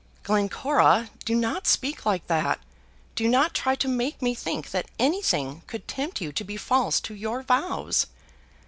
"Glencora, do not speak like that. Do not try to make me think that anything could tempt you to be false to your vows."